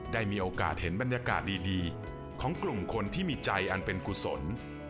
ได้มีโอกาสเห็นบรรยากาศดีของกลุ่มคนที่มีใจอันเป็นกุศล